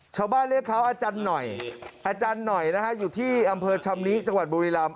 ชาวบ้านเรียกเขาอาจารย์หน่อยอยู่ที่อำเภอชำนี้จังหวัดบุรีราม